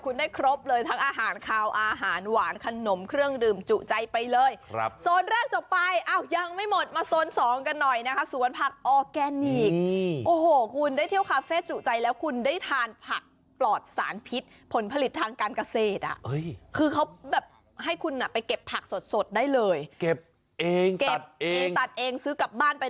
คือทั้งร้านเขาปรุงข้าวซอยออกมาอร่อยกลมเลยแล้วเขาเลือกใช้เนื้อวากิว